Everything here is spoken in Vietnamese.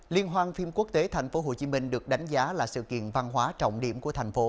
liên hoan phim quốc tế tp hcm được đánh giá là sự kiện văn hóa trọng điểm của thành phố